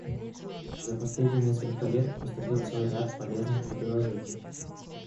За последние несколько лет поступил целый ряд полезных предложений.